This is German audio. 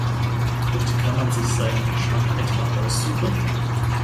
Und kann man sich seinen Geschmack etwa aussuchen?